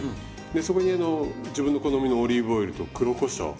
でそこにあの自分の好みのオリーブオイルと黒こしょう